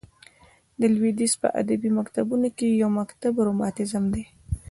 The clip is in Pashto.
د لوېدیځ په ادبي مکتبونو کښي یو مکتب رومانتیزم دئ.